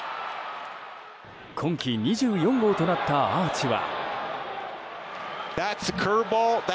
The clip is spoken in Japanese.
今季２４号となったアーチは。